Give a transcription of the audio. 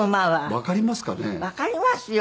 わかりますよ。